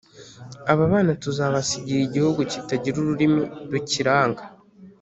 aba bana tuzabasigira igihugu kitagira ururimi rukiranga”